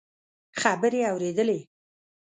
خبرې اورېدلې.